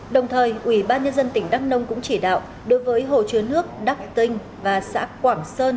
đồng thời ubnd tỉnh đắk nông cũng chỉ đạo đối với hồ chứa nước đắk kinh và xã quảng sơn